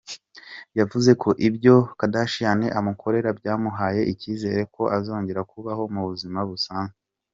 Yavuze ko ibyo Kardashian amukorera byamuhaye icyizere ko azongera kubaho mu buzima busanzwe.